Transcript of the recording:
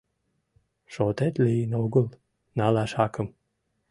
Шотет лийын огыл налаш акым!